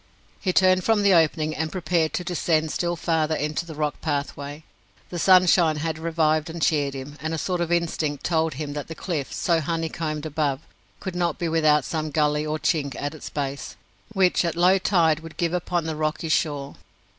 He turned from the opening, and prepared to descend still farther into the rock pathway. The sunshine had revived and cheered him, and a sort of instinct told him that the cliff, so honey combed above, could not be without some gully or chink at its base, which at low tide would give upon the rocky shore.